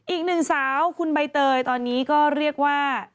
อีกหนึ่งสาวคุณใบเตยตอนนี้ก็เรียกว่า